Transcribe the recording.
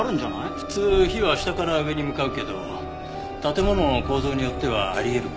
普通火は下から上に向かうけど建物の構造によってはあり得るかもね。